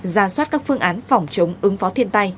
ra soát các phương án phòng chống ứng phó thiên tai